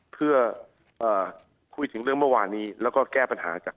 เพื่อคุยถึงเรื่องเมื่อวานนี้แล้วก็แก้ปัญหาจาก